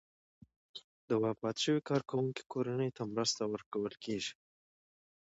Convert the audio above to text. د وفات شوي کارکوونکي کورنۍ ته مرسته ورکول کیږي.